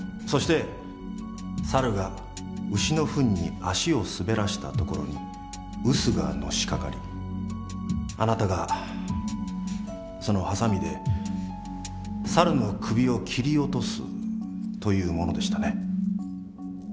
そして猿が牛のフンに足を滑らせたところに臼がのしかかりあなたがそのハサミで猿の首を切り落とすというものでしたね？